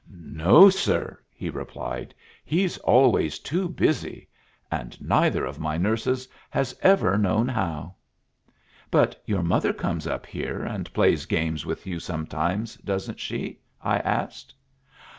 "No, sir," he replied. "He's always too busy, and neither of my nurses has ever known how." "But your mother comes up here and plays games with you sometimes, doesn't she?" I asked.